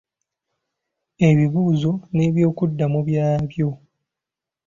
Ebibuuzo n'ebyokuddamu byabyo.